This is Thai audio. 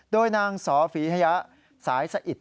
โดยนางสอฝีฮยะสายสะอิด